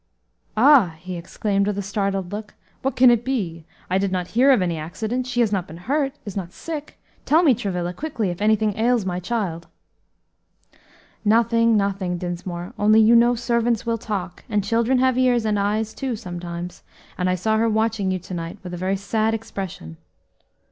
"Ah!" he exclaimed, with a startled look, "what can it be? I did not hear of any accident she has not been hurt? is not sick? tell me, Travilla, quickly, if anything ails my child." "Nothing, nothing, Dinsmore, only you know servants will talk, and children have ears, and eyes, too, sometimes, and I saw her watching you to night with a very sad expression."